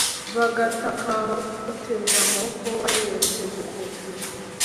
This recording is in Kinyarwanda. bagatakamba bose bateze amaboko bayerekeje ku ijuru